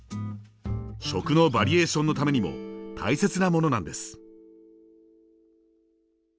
食のバリエーションのためにも大切なものなんです。